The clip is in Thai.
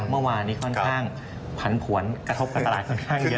เมื่อวานนี้ค่อนข้างผันผวนกระทบกับตลาดค่อนข้างเยอะ